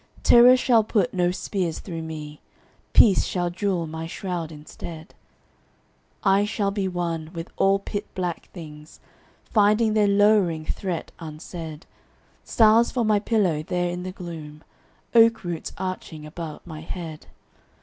Terror shall put no spears through me. Peace shall jewel my shroud instead. I shall be one with all pit black things Finding their lowering threat unsaid: Stars for my pillow there in the gloom,— Oak roots arching about my head!